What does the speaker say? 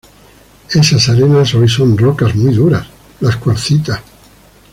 Esas arenas hoy son rocas muy duras, las cuarcitas.